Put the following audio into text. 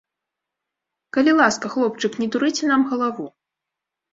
Калі ласка, хлопчык, не дурыце нам галаву!